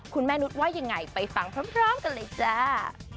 มนุษย์ว่ายังไงไปฟังพร้อมกันเลยจ้า